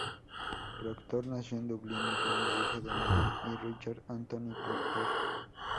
Proctor nació en Dublín, Irlanda, hija de Mary y Richard Anthony Proctor.